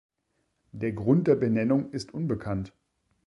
Der Grund der Benennung ist unbekannt.